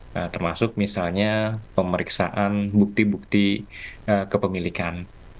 nah termasuk misalnya pemeriksaan bukti bukti kepemilikan